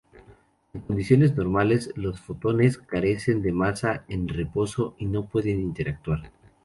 En condiciones normales, los fotones carecen de masa en reposo y no pueden interactuar.